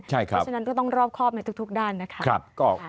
เพราะฉะนั้นก็ต้องรอบครอบในทุกด้านนะคะ